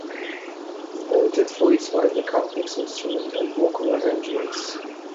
Noted for its wildly complex instrument and vocal arrangements.